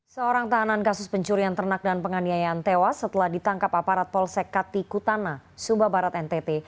seorang tahanan kasus pencurian ternak dan penganiayaan tewas setelah ditangkap aparat polsek katikutana sumba barat ntt